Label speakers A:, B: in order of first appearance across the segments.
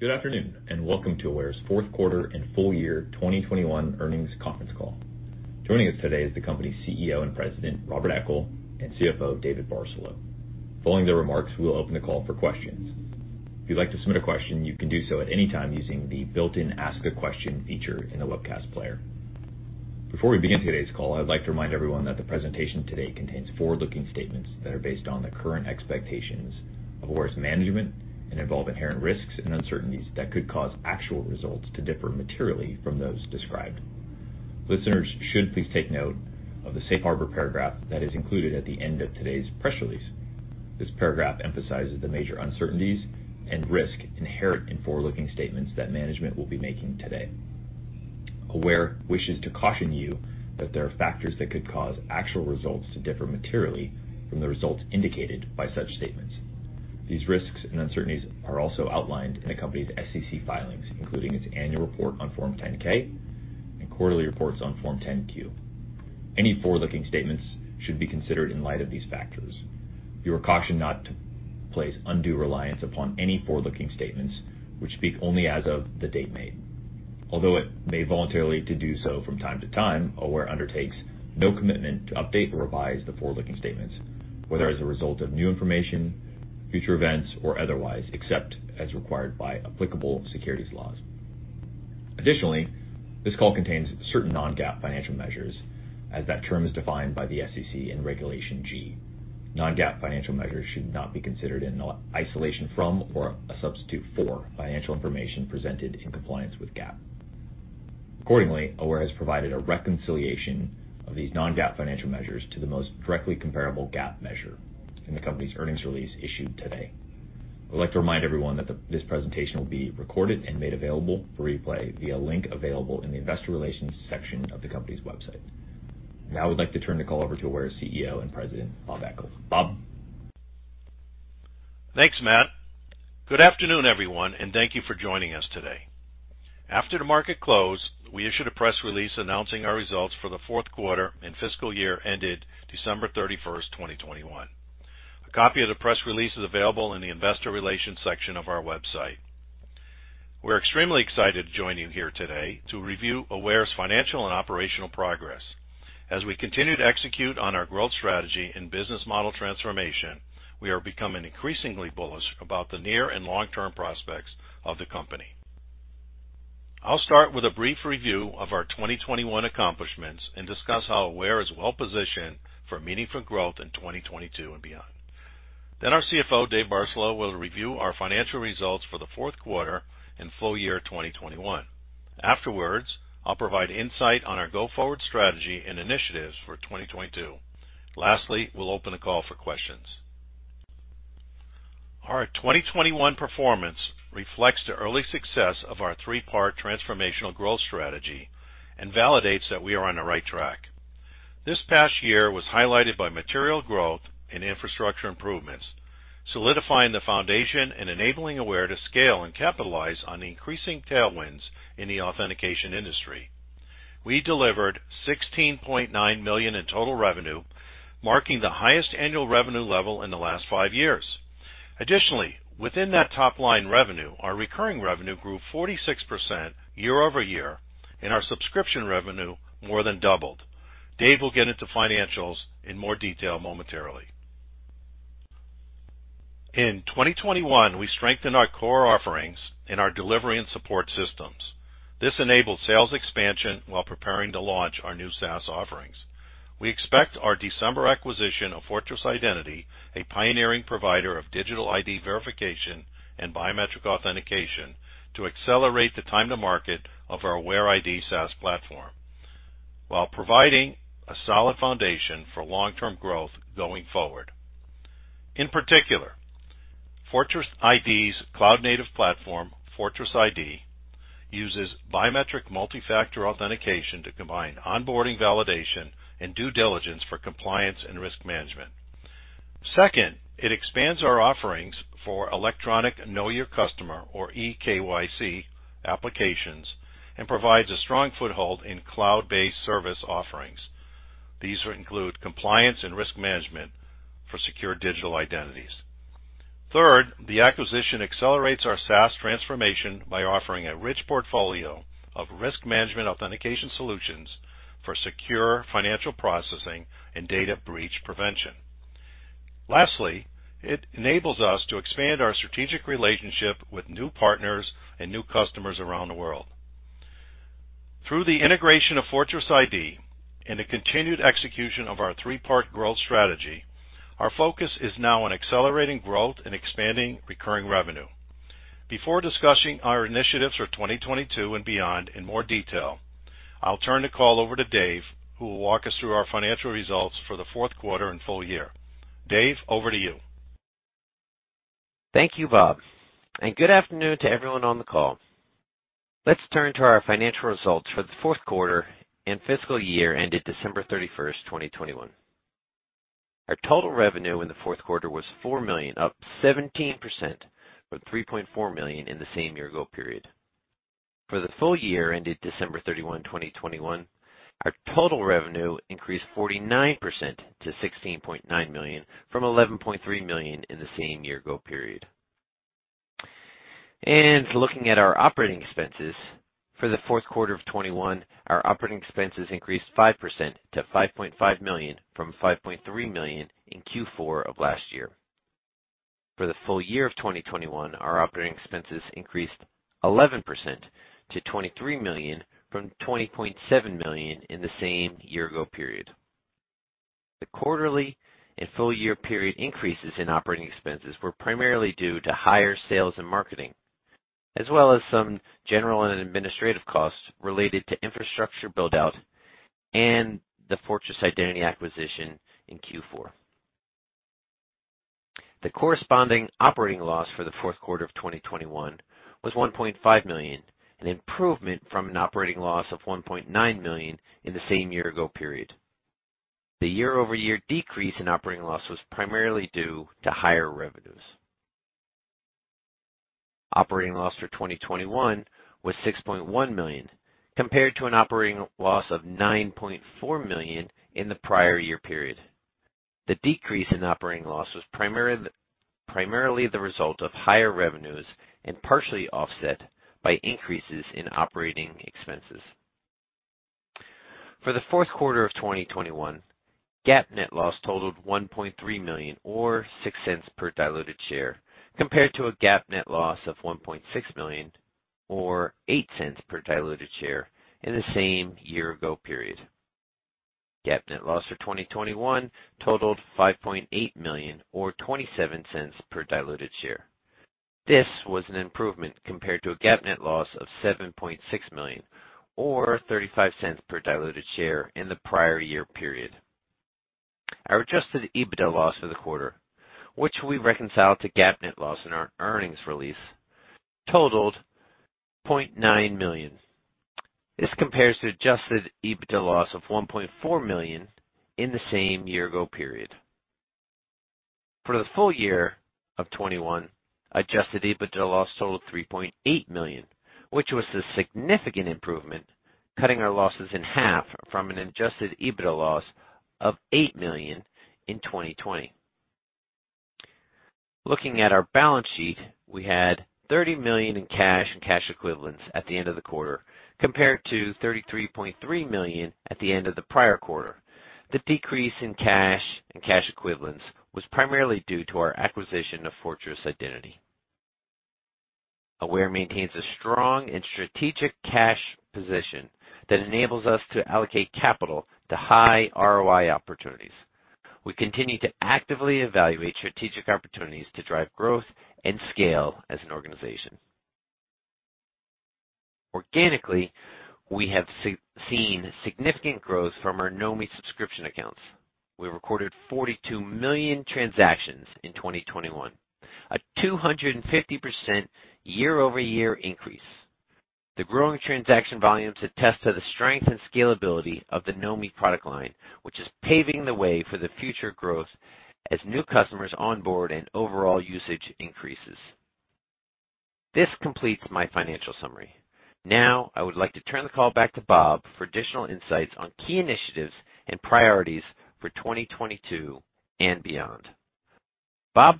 A: Good afternoon and welcome to Aware's fourth quarter and full year 2021 earnings conference call. Joining us today is the company's CEO and President, Rob Eckel, and CFO, David Barcelo. Following their remarks, we will open the call for questions. If you'd like to submit a question, you can do so at any time using the built-in Ask a Question feature in the webcast player. Before we begin today's call, I'd like to remind everyone that the presentation today contains forward-looking statements that are based on the current expectations of Aware's management and involve inherent risks and uncertainties that could cause actual results to differ materially from those described. Listeners should please take note of the safe harbor paragraph that is included at the end of today's press release. This paragraph emphasizes the major uncertainties and risk inherent in forward-looking statements that management will be making today. Aware wishes to caution you that there are factors that could cause actual results to differ materially from the results indicated by such statements. These risks and uncertainties are also outlined in the company's SEC filings, including its annual report on Form 10-K and quarterly reports on Form 10-Q. Any forward-looking statements should be considered in light of these factors. You are cautioned not to place undue reliance upon any forward-looking statements which speak only as of the date made. Although it may voluntarily to do so from time to time, Aware undertakes no commitment to update or revise the forward-looking statements, whether as a result of new information, future events or otherwise, except as required by applicable securities laws. Additionally, this call contains certain non-GAAP financial measures as that term is defined by the SEC in Regulation G. Non-GAAP financial measures should not be considered in isolation from or a substitute for financial information presented in compliance with GAAP. Accordingly, Aware has provided a reconciliation of these non-GAAP financial measures to the most directly comparable GAAP measure in the company's earnings release issued today. I'd like to remind everyone that this presentation will be recorded and made available for replay via link available in the investor relations section of the company's website. Now, I would like to turn the call over to Aware's CEO and President, Rob Eckel. Bob.
B: Thanks Matt. Good afternoon everyone, and thank you for joining us today. After the market closed, we issued a press release announcing our results for the fourth quarter and fiscal year ended December 31st, 2021. A copy of the press release is available in the investor relations section of our website. We're extremely excited to join you here today to review Aware's financial and operational progress. As we continue to execute on our growth strategy and business model transformation, we are becoming increasingly bullish about the near and long-term prospects of the company. I'll start with a brief review of our 2021 accomplishments and discuss how Aware is well-positioned for meaningful growth in 2022 and beyond. Our CFO, Dave Barcelo will review our financial results for the fourth quarter and full year 2021. Afterwards, I'll provide insight on our go-forward strategy and initiatives for 2022. Lastly, we'll open the call for questions. Our 2021 performance reflects the early success of our three-part transformational growth strategy and validates that we are on the right track. This past year was highlighted by material growth and infrastructure improvements, solidifying the foundation and enabling Aware to scale and capitalize on increasing tailwinds in the authentication industry. We delivered $16.9 million in total revenue, marking the highest annual revenue level in the last five years. Additionally, within that top line revenue, our recurring revenue grew 46% year-over-year, and our subscription revenue more than doubled. Dave will get into financials in more detail momentarily. In 2021, we strengthened our core offerings in our delivery and support systems. This enabled sales expansion while preparing to launch our new SaaS offerings. We expect our December acquisition of Fortress Identity, a pioneering provider of digital ID verification and biometric authentication, to accelerate the time to market of our AwareID SaaS platform, while providing a solid foundation for long-term growth going forward. In particular, FortressID's cloud-native platform, FortressID, uses biometric multi-factor authentication to combine onboarding validation and due diligence for compliance and risk management. Second, it expands our offerings for electronic know your customer or eKYC applications and provides a strong foothold in cloud-based service offerings. These include compliance and risk management for secure digital identities. Third, the acquisition accelerates our SaaS transformation by offering a rich portfolio of risk management authentication solutions for secure financial processing and data breach prevention. Lastly, it enables us to expand our strategic relationship with new partners and new customers around the world. Through the integration of FortressID and the continued execution of our three-part growth strategy, our focus is now on accelerating growth and expanding recurring revenue. Before discussing our initiatives for 2022 and beyond in more detail, I'll turn the call over to Dave, who will walk us through our financial results for the fourth quarter and full year. Dave, over to you.
C: Thank you Bob, and good afternoon to everyone on the call. Let's turn to our financial results for the fourth quarter and fiscal year ended December 31, 2021. Our total revenue in the fourth quarter was $4 million, up 17% from $3.4 million in the same year ago period. For the full year ended December 31, 2021, our total revenue increased 49% to $16.9 million from $11.3 million in the same year ago period. Looking at our operating expenses, for the fourth quarter of 2021, our operating expenses increased 5% to $5.5 million from $5.3 million in Q4 of last year. For the full year of 2021, our operating expenses increased 11% to $23 million from $20.7 million in the same year ago period. The quarterly and full year period increases in operating expenses were primarily due to higher sales and marketing, as well as some general and administrative costs related to infrastructure build-out and the Fortress Identity acquisition in Q4. The corresponding operating loss for the fourth quarter of 2021 was $1.5 million, an improvement from an operating loss of $1.9 million in the same year-ago period. The year-over-year decrease in operating loss was primarily due to higher revenues. Operating loss for 2021 was $6.1 million, compared to an operating loss of $9.4 million in the prior year period. The decrease in operating loss was primarily the result of higher revenues and partially offset by increases in operating expenses. For the fourth quarter of 2021, GAAP net loss totaled $1.3 million or $0.06 per diluted share, compared to a GAAP net loss of $1.6 million or $0.08 per diluted share in the same year-ago period. GAAP net loss for 2021 totaled $5.8 million or $0.27 per diluted share. This was an improvement compared to a GAAP net loss of $7.6 million or $0.35 per diluted share in the prior year period. Our adjusted EBITDA loss for the quarter, which we reconcile to GAAP net loss in our earnings release, totaled $0.9 million. This compares to adjusted EBITDA loss of $1.4 million in the same year ago period. For the full year of 2021, adjusted EBITDA loss totaled $3.8 million, which was a significant improvement, cutting our losses in half from an adjusted EBITDA loss of $8 million in 2020. Looking at our balance sheet, we had $30 million in cash and cash equivalents at the end of the quarter, compared to $33.3 million at the end of the prior quarter. The decrease in cash and cash equivalents was primarily due to our acquisition of Fortress Identity. Aware maintains a strong and strategic cash position that enables us to allocate capital to high ROI opportunities. We continue to actively evaluate strategic opportunities to drive growth and scale as an organization. Organically, we have seen significant growth from our Nomi subscription accounts. We recorded 42 million transactions in 2021, a 250% year-over-year increase. The growing transaction volumes attest to the strength and scalability of the Nomi product line, which is paving the way for the future growth as new customers onboard and overall usage increases. This completes my financial summary. Now, I would like to turn the call back to Bob for additional insights on key initiatives and priorities for 2022 and beyond. Bob?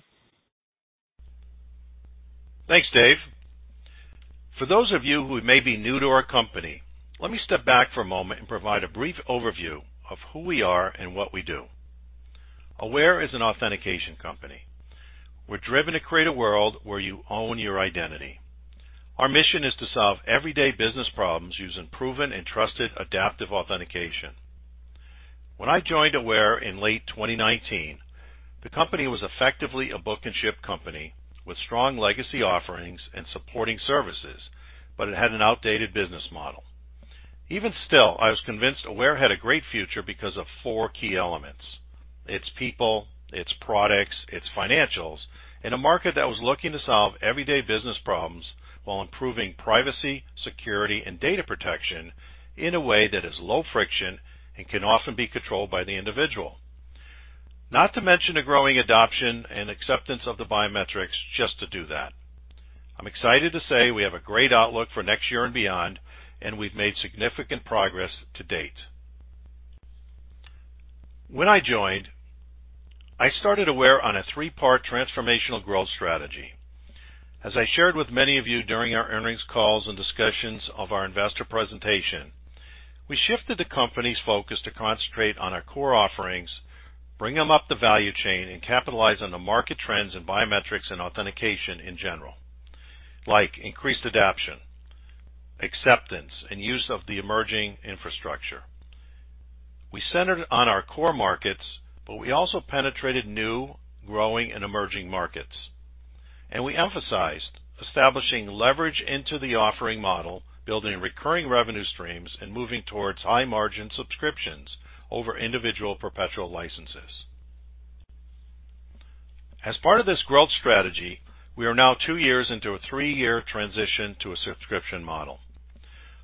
B: Thanks Dave. For those of you who may be new to our company, let me step back for a moment and provide a brief overview of who we are and what we do. Aware is an authentication company. We're driven to create a world where you own your identity. Our mission is to solve everyday business problems using proven and trusted adaptive authentication. When I joined Aware in late 2019, the company was effectively a book and ship company with strong legacy offerings and supporting services, but it had an outdated business model. Even still, I was convinced Aware had a great future because of four key elements: its people, its products, its financials, in a market that was looking to solve everyday business problems while improving privacy, security, and data protection in a way that is low friction and can often be controlled by the individual. Not to mention the growing adoption and acceptance of the biometrics just to do that. I'm excited to say we have a great outlook for next year and beyond, and we've made significant progress to date. When I joined, I started Aware on a three-part transformational growth strategy. As I shared with many of you during our earnings calls and discussions of our investor presentation, we shifted the company's focus to concentrate on our core offerings, bring them up the value chain, and capitalize on the market trends in biometrics and authentication in general, like increased adoption, acceptance, and use of the emerging infrastructure. We centered on our core markets, but we also penetrated new, growing, and emerging markets. We emphasized establishing leverage into the offering model, building recurring revenue streams, and moving towards high-margin subscriptions over individual perpetual licenses. As part of this growth strategy, we are now two years into a three-year transition to a subscription model.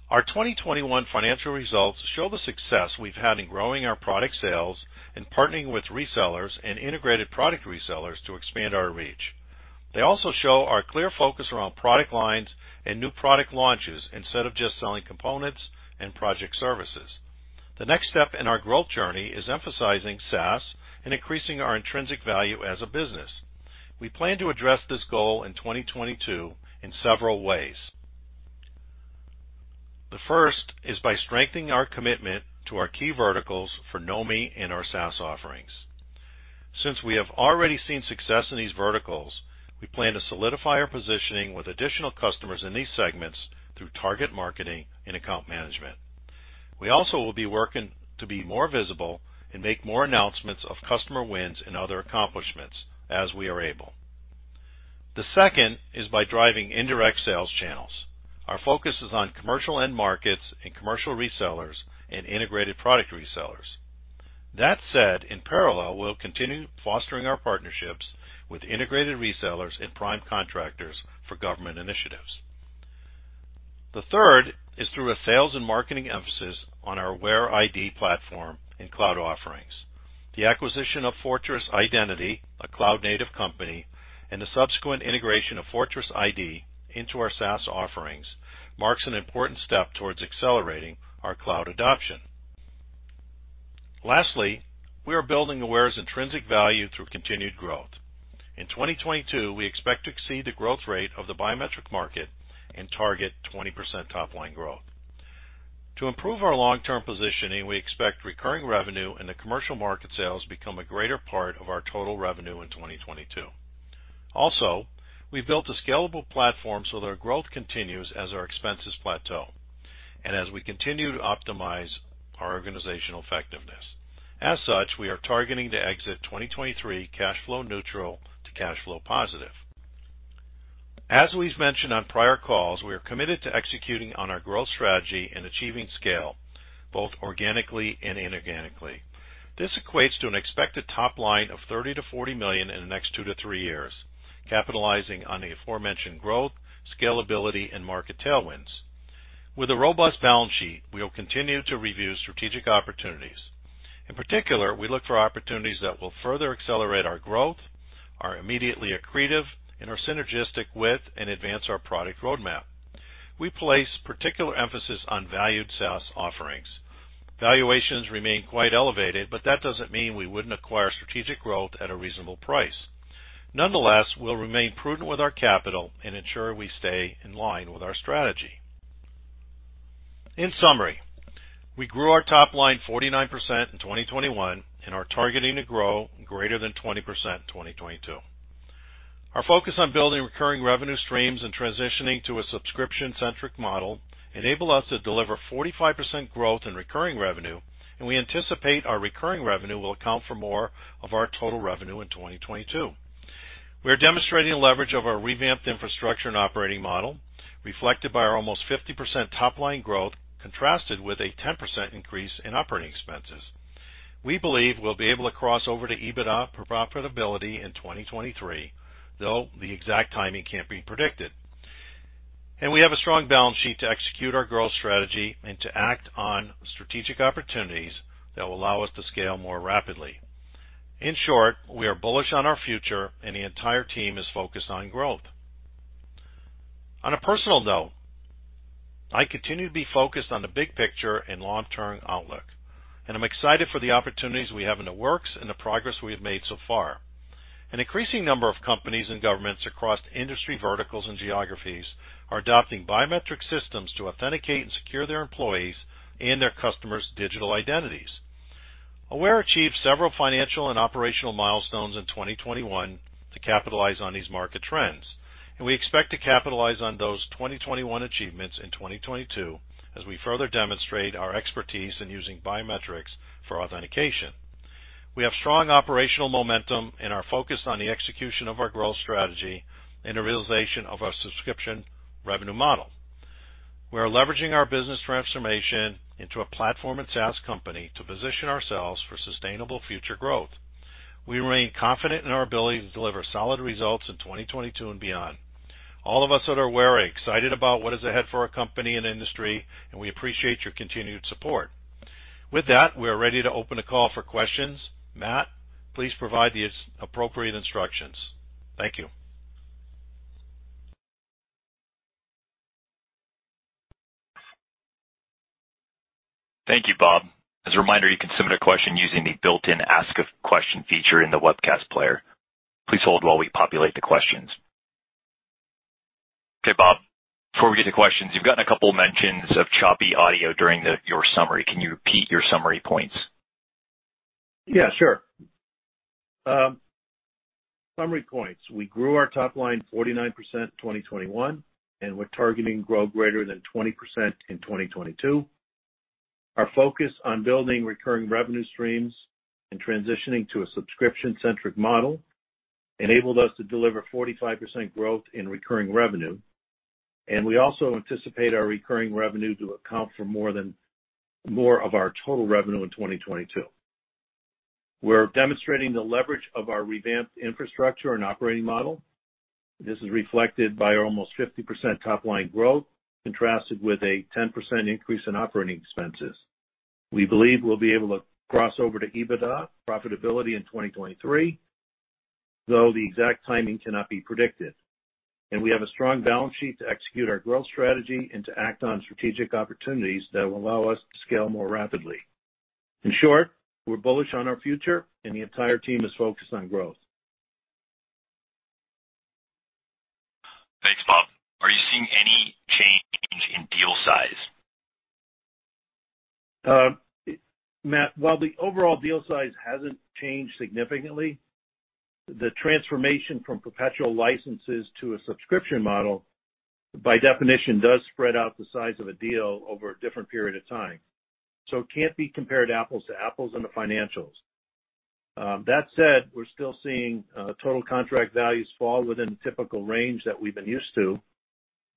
B: Our 2021 financial results show the success we've had in growing our product sales and partnering with resellers and integrated product resellers to expand our reach. They also show our clear focus around product lines and new product launches instead of just selling components and project services. The next step in our growth journey is emphasizing SaaS and increasing our intrinsic value as a business. We plan to address this goal in 2022 in several ways. The first is by strengthening our commitment to our key verticals for Nomi and our SaaS offerings. Since we have already seen success in these verticals, we plan to solidify our positioning with additional customers in these segments through target marketing and account management. We also will be working to be more visible and make more announcements of customer wins and other accomplishments as we are able. The second is by driving indirect sales channels. Our focus is on commercial end markets and commercial resellers and integrated product resellers. That said, in parallel, we'll continue fostering our partnerships with integrated resellers and prime contractors for government initiatives. The third is through a sales and marketing emphasis on our AwareID platform and cloud offerings. The acquisition of Fortress Identity, a cloud-native company, and the subsequent integration of Fortress ID into our SaaS offerings marks an important step towards accelerating our cloud adoption. Lastly, we are building Aware's intrinsic value through continued growth. In 2022, we expect to exceed the growth rate of the biometric market and target 20% top line growth. To improve our long-term positioning, we expect recurring revenue and the commercial market sales become a greater part of our total revenue in 2022. We've built a scalable platform so that our growth continues as our expenses plateau and as we continue to optimize our organizational effectiveness. We are targeting to exit 2023 cash flow neutral to cash flow positive. As we've mentioned on prior calls, we are committed to executing on our growth strategy and achieving scale, both organically and inorganically. This equates to an expected top line of $30 million-$40 million in the next two-three years, capitalizing on the aforementioned growth, scalability and market tailwinds. With a robust balance sheet, we will continue to review strategic opportunities. In particular, we look for opportunities that will further accelerate our growth, are immediately accretive, and are synergistic with and advance our product roadmap. We place particular emphasis on valued SaaS offerings. Valuations remain quite elevated, but that doesn't mean we wouldn't acquire strategic growth at a reasonable price. Nonetheless, we'll remain prudent with our capital and ensure we stay in line with our strategy. In summary, we grew our top line 49% in 2021 and are targeting to grow greater than 20% in 2022. Our focus on building recurring revenue streams and transitioning to a subscription-centric model enable us to deliver 45% growth in recurring revenue, and we anticipate our recurring revenue will account for more of our total revenue in 2022. We are demonstrating leverage of our revamped infrastructure and operating model, reflected by our almost 50% top line growth, contrasted with a 10% increase in operating expenses. We believe we'll be able to cross over to EBITDA profitability in 2023, though the exact timing can't be predicted. We have a strong balance sheet to execute our growth strategy and to act on strategic opportunities that will allow us to scale more rapidly. In short, we are bullish on our future and the entire team is focused on growth. On a personal note, I continue to be focused on the big picture and long-term outlook, and I'm excited for the opportunities we have in the works and the progress we have made so far. An increasing number of companies and governments across industry verticals and geographies are adopting biometric systems to authenticate and secure their employees and their customers' digital identities. Aware achieved several financial and operational milestones in 2021 to capitalize on these market trends, and we expect to capitalize on those 2021 achievements in 2022 as we further demonstrate our expertise in using biometrics for authentication. We have strong operational momentum and are focused on the execution of our growth strategy and the realization of our subscription revenue model. We are leveraging our business transformation into a platform and SaaS company to position ourselves for sustainable future growth. We remain confident in our ability to deliver solid results in 2022 and beyond. All of us at Aware are excited about what is ahead for our company and industry, and we appreciate your continued support. With that, we are ready to open the call for questions. Matt, please provide the appropriate instructions. Thank you.
A: Thank you Bob. As a reminder, you can submit a question using the built-in ask a question feature in the webcast player. Please hold while we populate the questions. Okay, Bob, before we get to questions, you've gotten a couple mentions of choppy audio during your summary. Can you repeat your summary points?
B: Yeah sure. Summary points. We grew our top line 49% in 2021, and we're targeting growth greater than 20% in 2022. Our focus on building recurring revenue streams and transitioning to a subscription-centric model enabled us to deliver 45% growth in recurring revenue. We also anticipate our recurring revenue to account for more of our total revenue in 2022. We're demonstrating the leverage of our revamped infrastructure and operating model. This is reflected by almost 50% top line growth, contrasted with a 10% increase in operating expenses. We believe we'll be able to cross over to EBITDA profitability in 2023, though the exact timing cannot be predicted. We have a strong balance sheet to execute our growth strategy and to act on strategic opportunities that will allow us to scale more rapidly. In short, we're bullish on our future, and the entire team is focused on growth.
A: Thank Bob. Are you seeing any change in deal size?
B: Matt, while the overall deal size hasn't changed significantly, the transformation from perpetual licenses to a subscription model, by definition, does spread out the size of a deal over a different period of time. It can't be compared apples to apples in the financials. That said, we're still seeing total contract values fall within the typical range that we've been used to.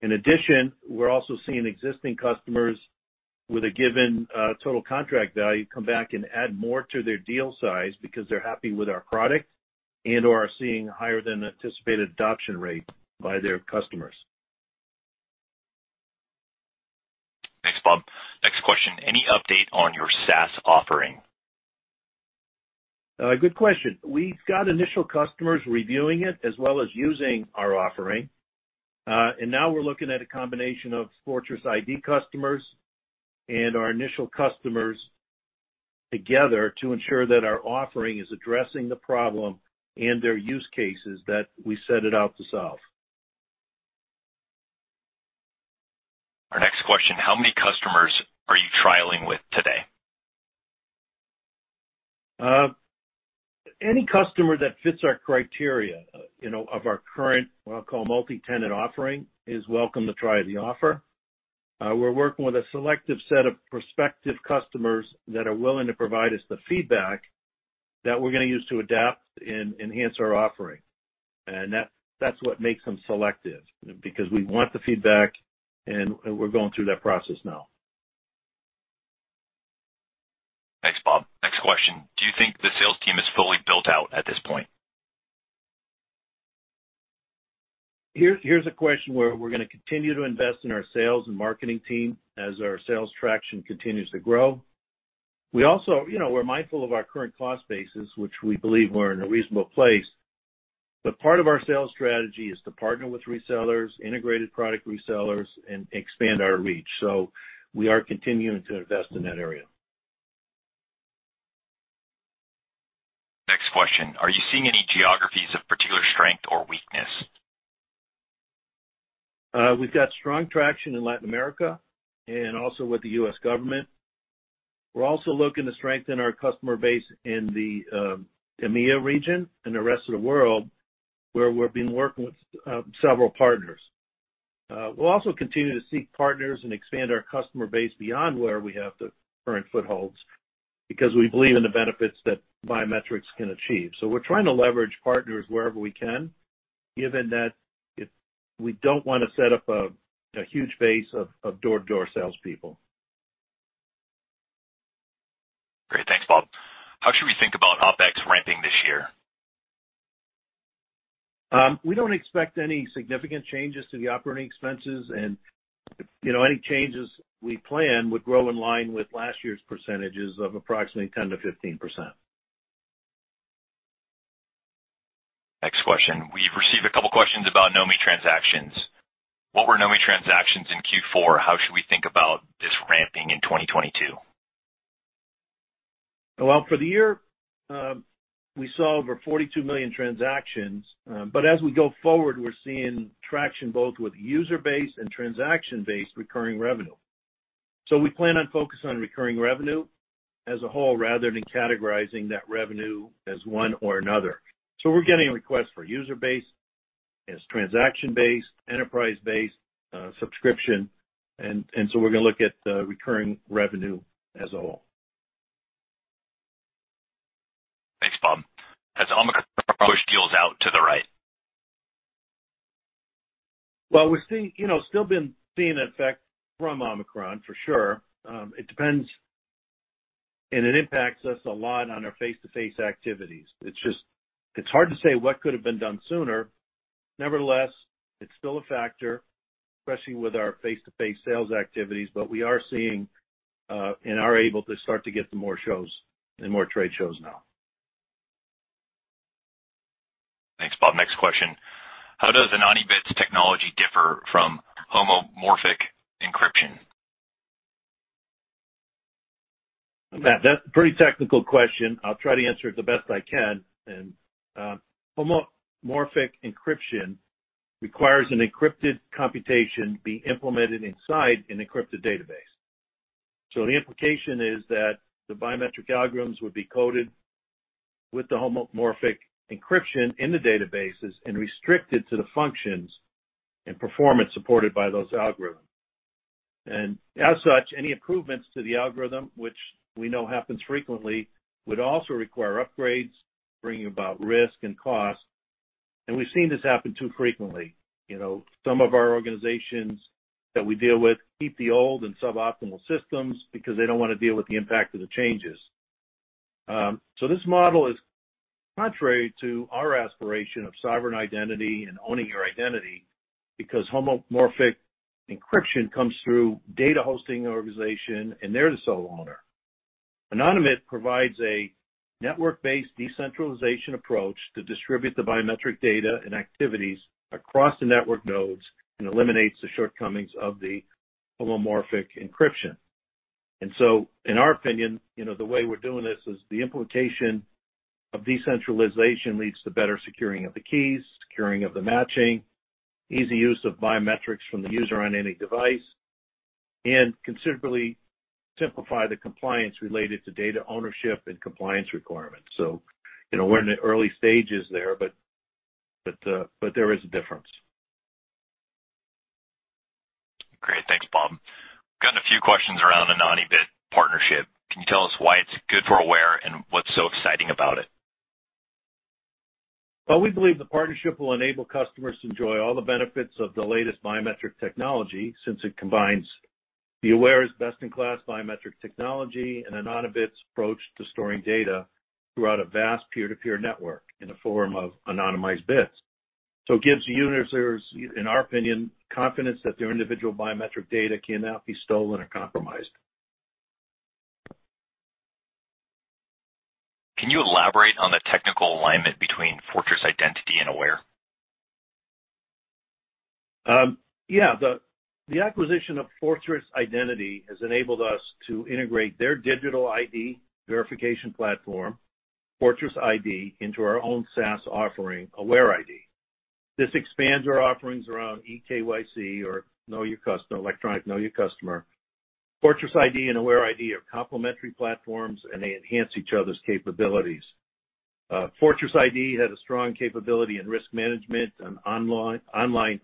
B: In addition, we're also seeing existing customers with a given total contract value come back and add more to their deal size because they're happy with our product and/or are seeing higher than anticipated adoption rate by their customers.
A: Thanks, Bob. Next question. Any update on your SaaS offering?
B: Good question. We've got initial customers reviewing it as well as using our offering. Now we're looking at a combination of FortressID customers and our initial customers together to ensure that our offering is addressing the problem and their use cases that we set it out to solve.
A: Our next question, how many customers are you trialing with today?
B: Any customer that fits our criteria, you know, of our current, what I'll call multi-tenant offering, is welcome to try the offer. We're working with a selective set of prospective customers that are willing to provide us the feedback that we're gonna use to adapt and enhance our offering. That's what makes them selective, because we want the feedback, and we're going through that process now.
A: Thanks Bob. Next question. Do you think the sales team is fully built out at this point?
B: Here's a question where we're gonna continue to invest in our sales and marketing team as our sales traction continues to grow. We also, you know, we're mindful of our current cost bases, which we believe we're in a reasonable place. Part of our sales strategy is to partner with resellers, integrated product resellers, and expand our reach. We are continuing to invest in that area.
A: Next question, are you seeing any geographies of particular strength or weakness?
B: We've got strong traction in Latin America and also with the U.S. government. We're also looking to strengthen our customer base in the EMEA region and the rest of the world, where we've been working with several partners. We'll also continue to seek partners and expand our customer base beyond where we have the current footholds because we believe in the benefits that biometrics can achieve. We're trying to leverage partners wherever we can, given that we don't wanna set up a huge base of door-to-door salespeople.
A: Great. Thanks Bob. How should we think about OpEx ramping this year?
B: We don't expect any significant changes to the operating expenses and, you know, any changes we plan would grow in line with last year's percentages of approximately 10%-15%.
A: Next question. We've received a couple questions about Nomi transactions. What were Nomi transactions in Q4? How should we think about this ramping in 2022?
B: For the year, we saw over 42 million transactions. As we go forward, we're seeing traction both with user base and transaction base recurring revenue. We plan on focusing on recurring revenue as a whole rather than categorizing that revenue as one or another. We're getting requests for user base, as transaction-based, enterprise-based, subscription, and so we're gonna look at the recurring revenue as a whole.
A: Thanks Bob. Has Omicron pushed deals out to the right?
B: Well, you know, still been seeing an effect from Omicron, for sure. It depends and it impacts us a lot on our face-to-face activities. It's just, it's hard to say what could have been done sooner. Nevertheless, it's still a factor, especially with our face-to-face sales activities. We are seeing, and are able to start to get to more shows and more trade shows now.
A: Thanks Bob. Next question. How does Anonybit's technology differ from homomorphic encryption?
B: Matt, that's a pretty technical question. I'll try to answer it the best I can. Homomorphic encryption requires an encrypted computation be implemented inside an encrypted database. The implication is that the biometric algorithms would be coded with the homomorphic encryption in the databases and restricted to the functions and performance supported by those algorithms. As such, any improvements to the algorithm, which we know happens frequently, would also require upgrades, bringing about risk and cost. We've seen this happen too frequently. You know, some of our organizations that we deal with keep the old and suboptimal systems because they don't wanna deal with the impact of the changes. This model is contrary to our aspiration of Self-sovereign identity and owning your identity because homomorphic encryption comes through data hosting organization, and they're the sole owner. Anonybit provides a network-based decentralization approach to distribute the biometric data and activities across the network nodes and eliminates the shortcomings of the homomorphic encryption. In our opinion, you know, the way we're doing this is the implication of decentralization leads to better securing of the keys, securing of the matching, easy use of biometrics from the user on any device, and considerably simplify the compliance related to data ownership and compliance requirements. You know, we're in the early stages there, but there is a difference.
A: Great. Thanks Bob. Got a few questions around Anonybit partnership. Can you tell us why it's good for Aware and what's so exciting about it?
B: Well, we believe the partnership will enable customers to enjoy all the benefits of the latest biometric technology since it combines the Aware's best-in-class biometric technology and Anonybit's approach to storing data throughout a vast peer-to-peer network in the form of anonymized bits. It gives users, in our opinion, confidence that their individual biometric data cannot be stolen or compromised.
A: Can you elaborate on the technical alignment between Fortress Identity and Aware?
B: Yeah. The acquisition of Fortress Identity has enabled us to integrate their digital ID verification platform, FortressID, into our own SaaS offering, AwareID. This expands our offerings around eKYC or know your customer, electronic know your customer. FortressID and AwareID are complementary platforms. They enhance each other's capabilities. FortressID has a strong capability in risk management and online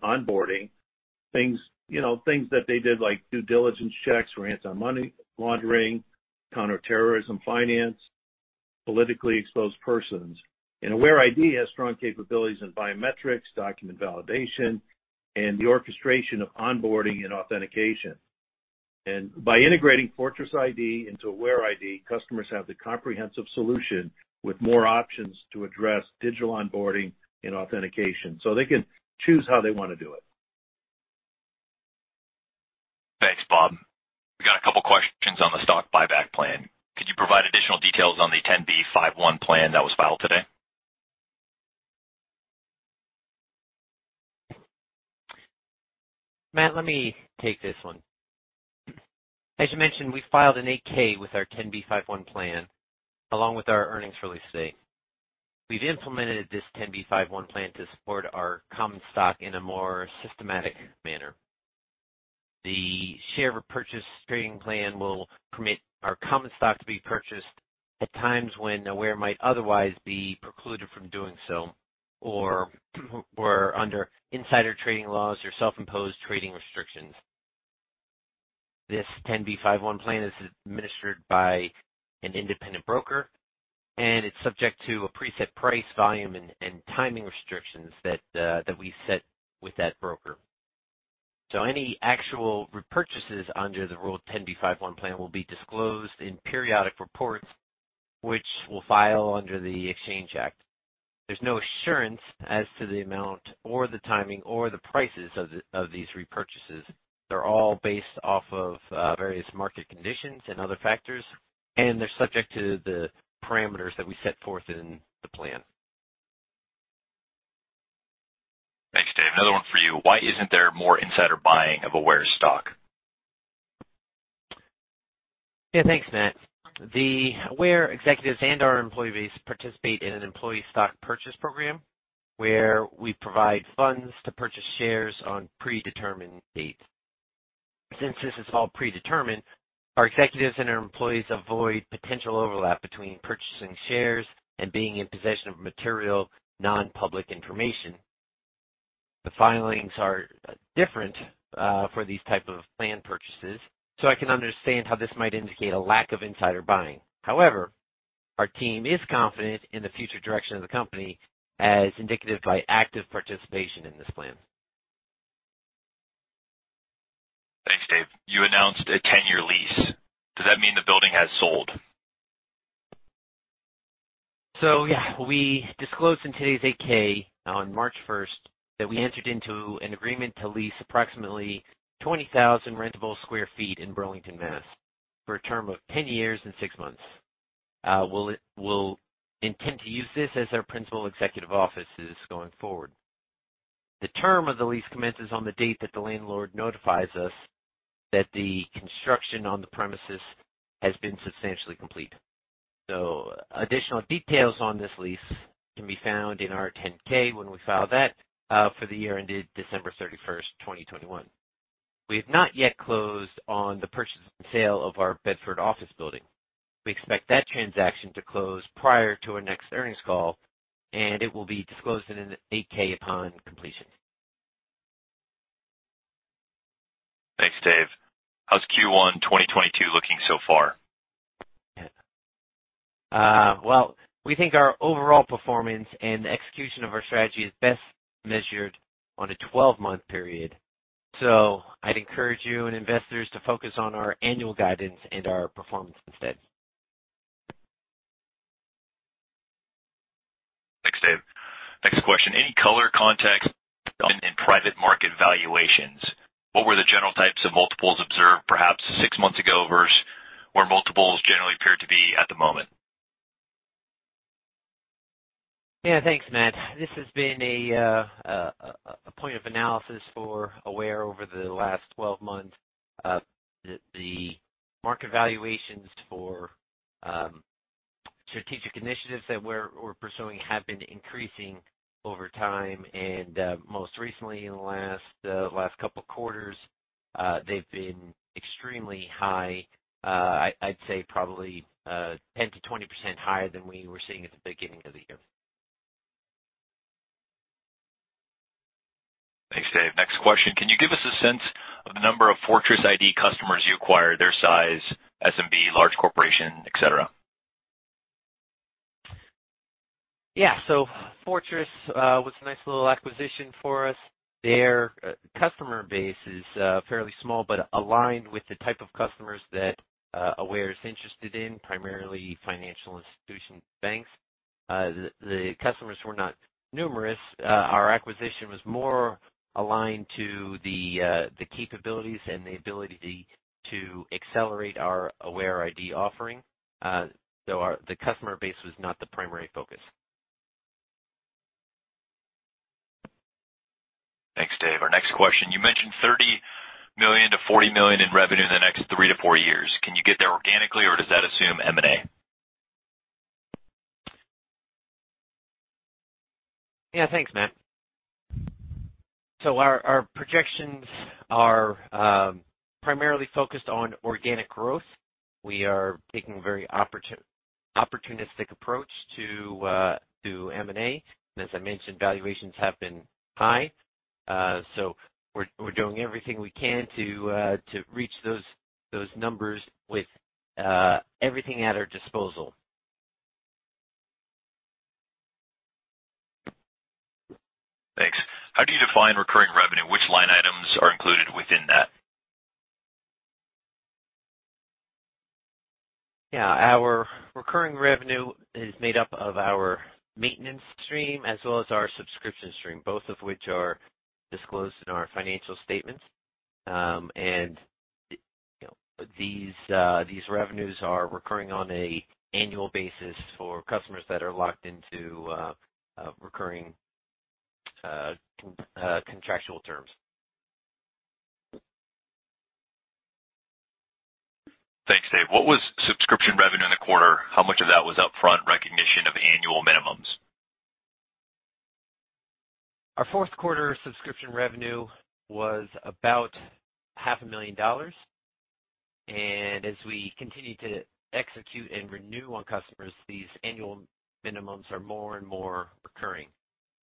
B: onboarding, things, you know, things that they did, like due diligence checks for anti-money laundering, counter-terrorism financing, politically exposed persons. AwareID has strong capabilities in biometrics, document validation, and the orchestration of onboarding and authentication. By integrating FortressID into AwareID, customers have the comprehensive solution with more options to address digital onboarding and authentication. They can choose how they wanna do it.
A: Thanks Bob. We got a couple questions on the stock buyback plan. Could you provide additional details on the 10b5-1 plan that was filed today?
C: Matt, let me take this one. As you mentioned, we filed an 8-K with our Rule 10b5-1 plan along with our earnings release today. We've implemented this Rule 10b5-1 plan to support our common stock in a more systematic manner. The share repurchase trading plan will permit our common stock to be purchased at times when Aware might otherwise be precluded from doing so, or under insider trading laws or self-imposed trading restrictions. This Rule 10b5-1 plan is administered by an independent broker, and it's subject to a preset price, volume, and timing restrictions that we set with that broker. Any actual repurchases under the Rule 10b5-1 plan will be disclosed in periodic reports, which we'll file under the Exchange Act. There's no assurance as to the amount or the timing or the prices of these repurchases. They're all based off of various market conditions and other factors, and they're subject to the parameters that we set forth in the plan.
A: Thanks Dave. Another one for you. Why isn't there more insider buying of Aware stock?
C: Yeah. Thanks Matt. The Aware executives and our employee base participate in an employee stock purchase program where we provide funds to purchase shares on predetermined dates. Since this is all predetermined, our executives and our employees avoid potential overlap between purchasing shares and being in possession of material non-public information. The filings are different for these type of plan purchases, so I can understand how this might indicate a lack of insider buying. However, our team is confident in the future direction of the company, as indicated by active participation in this plan.
A: Thanks Dave. You announced a 10-year lease. Does that mean the building has sold?
C: Yeah. We disclosed in today's 8-K on March 1st that we entered into an agreement to lease approximately 20,000 rentable square feet in Burlington, Mass, for a term of 10 years and six months. We'll intend to use this as our principal executive offices going forward. The term of the lease commences on the date that the landlord notifies us that the construction on the premises has been substantially complete. Additional details on this lease can be found in our 10-K when we file that for the year ended December 31st, 2021. We have not yet closed on the purchase and sale of our Bedford office building. We expect that transaction to close prior to our next earnings call, and it will be disclosed in an 8-K upon completion. Well, we think our overall performance and execution of our strategy is best measured on a 12-month period. I'd encourage you and investors to focus on our annual guidance and our performance instead.
A: Thanks Dave. Next question. Any color context in private market valuations, what were the general types of multiples observed perhaps 6 months ago versus where multiples generally appear to be at the moment?
C: Yeah, thank Matt. This has been a point of analysis for Aware over the last 12 months that the market valuations for strategic initiatives that we're pursuing have been increasing over time. Most recently, in the last couple of quarters, they've been extremely high, I'd say probably 10%-20% higher than we were seeing at the beginning of the year.
A: Thanks, Dave. Next question. Can you give us a sense of the number of FortressID customers you acquired, their size, SMB, large corporation, et cetera?
C: Yeah. Fortress was a nice little acquisition for us. Their customer base is fairly small, but aligned with the type of customers that Aware is interested in, primarily financial institution banks. The customers were not numerous. Our acquisition was more aligned to the capabilities and the ability to accelerate our AwareID offering. The customer base was not the primary focus.
A: Thanks Dave. Our next question. You mentioned $30 million-$40 million in revenue in the next three-four years. Can you get there organically or does that assume M&A?
C: Thanks Matt. Our projections are primarily focused on organic growth. We are taking a very opportunistic approach to M&A. As I mentioned, valuations have been high. We're doing everything we can to reach those numbers with everything at our disposal.
A: Thanks. How do you define recurring revenue? Which line items are included within that?
C: Yeah. Our recurring revenue is made up of our maintenance stream as well as our subscription stream, both of which are disclosed in our financial statements. You know, these revenues are recurring on a annual basis for customers that are locked into recurring contractual terms.
A: Thanks Dave. What was subscription revenue in the quarter? How much of that was upfront recognition of annual minimums?
C: Our fourth quarter subscription revenue was about half a million dollars. As we continue to execute and renew on customers, these annual minimums are more and more recurring.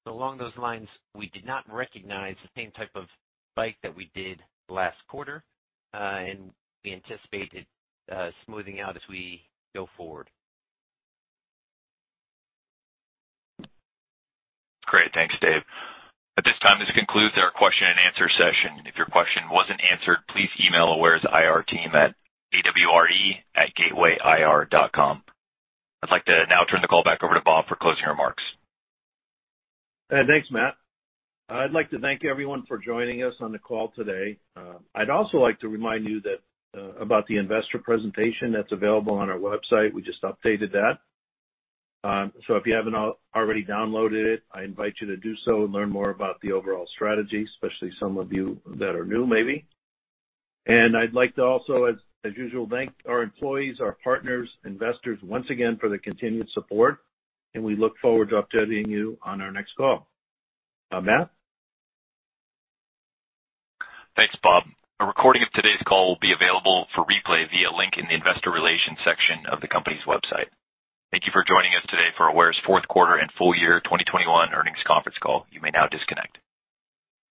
C: Along those lines, we did not recognize the same type of spike that we did last quarter, and we anticipate it smoothing out as we go forward.
A: Great. Thanks Dave. At this time, this concludes our question and answer session. If your question wasn't answered, please email Aware's IR team at awre@gateway-grp.com. I'd like to now turn the call back over to Bob for closing remarks.
B: Thanks Matt. I'd like to thank everyone for joining us on the call today. I'd also like to remind you that about the investor presentation that's available on our website. We just updated that. If you haven't already downloaded it, I invite you to do so and learn more about the overall strategy, especially some of you that are new, maybe. I'd like to also, as usual, thank our employees, our partners, investors once again for their continued support, and we look forward to updating you on our next call. Matt?
A: Thanks, Bob. A recording of today's call will be available for replay via a link in the investor relations section of the company's website. Thank you for joining us today for Aware's fourth quarter and full year 2021 earnings conference call. You may now disconnect.